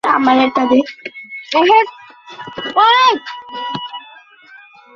এর বর্তমান প্রধান শিক্ষক হলেন মোহাম্মদ আব্দুর রাজ্জাক।